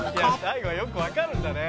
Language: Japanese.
「大悟はよくわかるんだね」